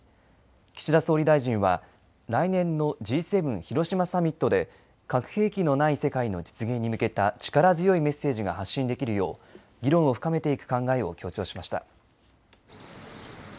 岸田総理大臣は来年のＧ７広島サミットで核兵器のない世界の実現に向けた力強いメッセージが発信できるよう議論を深めていく考えを強調しました。